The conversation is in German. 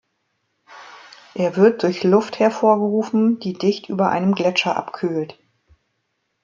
Er wird durch Luft hervorgerufen, die dicht über einem Gletscher abkühlt.